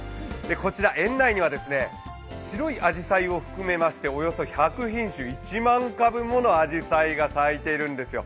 こちら園内には白いあじさいを含めましておよそ１００品種１万株ものあじさいが咲いているんですよ。